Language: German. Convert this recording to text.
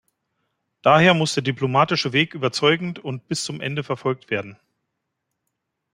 Daher muss der diplomatische Weg überzeugend und bis zum Ende verfolgt werden.